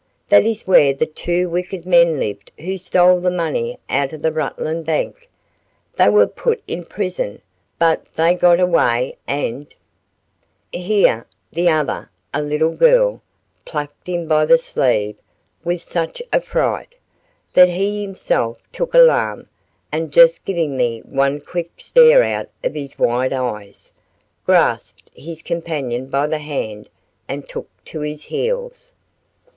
That is where the two wicked men lived who stole the money out of the Rutland bank. They were put in prison, but they got away and " Here, the other, a little girl, plucked him by the sleeve with such affright, that he himself took alarm and just giving me one quick stare out of his wide eyes, grasped his companion by the hand and took to his heels.